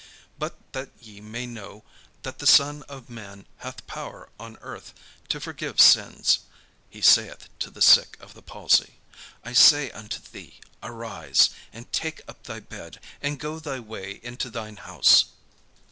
But that ye may know that the Son of man hath power on earth to forgive sins, (he saith to the sick of the palsy,) I say unto thee, 'Arise, and take up thy bed, and go thy way into thine house.'"